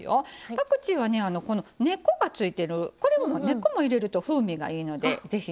パクチーは根っこがついてる根っこも入れると風味がいいのでぜひね